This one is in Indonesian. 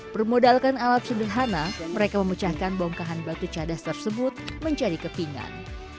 bermodalkan alat sederhana mereka memecahkan bongkahan batu cadas tersebut menjadi kepingan